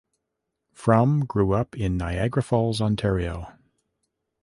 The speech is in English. Frum grew up in Niagara Falls, Ontario.